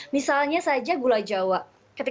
misalnya saja gula jawa ketika kita akan mencari gula jawa